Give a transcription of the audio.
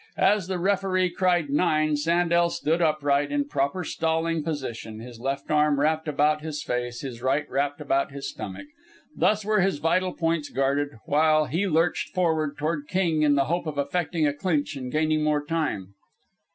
As the referee cried "Nine!" Sandel stood upright, in proper stalling position, his left arm wrapped about his face, his right wrapped about his stomach. Thus were his vital points guarded, while he lurched forward toward King in the hope of effecting a clinch and gaining more time.